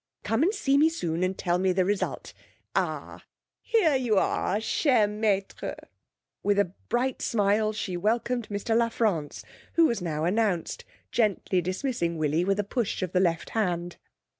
Come and see me soon, and tell me the result. Ah! here you are, cher maître!' With a bright smile she welcomed Mr La France, who was now announced, gently dismissing Willie with a push of the left hand.